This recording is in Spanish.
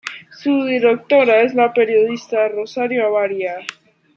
Su directora es la periodista Rosario Avaria.